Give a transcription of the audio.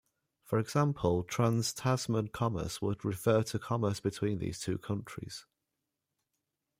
For example, Trans-Tasman commerce would refer to commerce between these two countries.